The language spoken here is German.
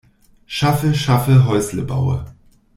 Schaffe schaffe Häusle baue.